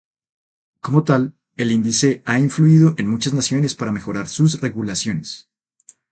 Como tal, el índice ha influido en muchas naciones para mejorar sus regulaciones.